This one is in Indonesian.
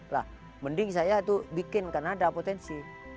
lah mending saya itu bikin karena ada potensi